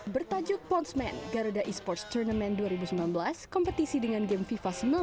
bertajuk ponsemen garuda e sports tournament dua ribu sembilan belas kompetisi dengan game fifa sembilan belas